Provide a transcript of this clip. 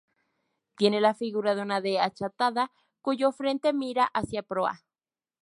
Tiene la figura de una D achatada cuyo frente mira hacia proa.